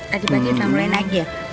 tadi pagi sudah mulai naik ya